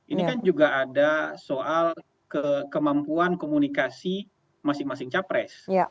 ini kan juga ada soal kemampuan komunikasi masing masing capres